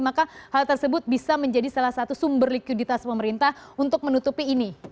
maka hal tersebut bisa menjadi salah satu sumber likuiditas pemerintah untuk menutupi ini